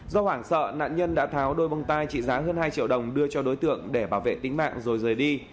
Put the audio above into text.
do hoảng sợ nạn nhân đã tháo đôi bông tai trị giá hơn hai triệu đồng đưa cho đối tượng để bảo vệ tính mạng rồi rời đi